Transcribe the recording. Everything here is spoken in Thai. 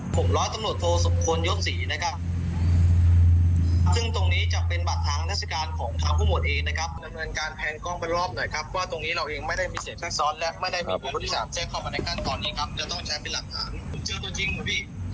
ผู้หมวดก็ตัวจริงไม่ใช่เหรอผู้หมวดก็ตัวจริงไม่ใช่เหรอครับ